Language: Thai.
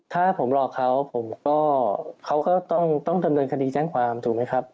ถ้าผมหลอกเขาผมก็เขาก็ต้องดำเนินคดีแจ้งความถูกไหมครับ